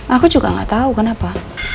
aku juga gak tahu kenapa